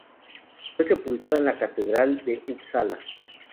Fue sepultada en la Catedral de Upsala.